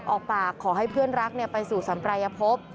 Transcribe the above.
ออกปากขอให้เพื่อนรักไปสู่สัมปรายภพ